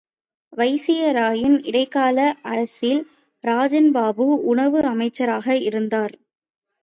வைசியராயின் இடைக்கால அரசில் ராஜன்பாபு உணவு அமைச்சராக இருந்தார்.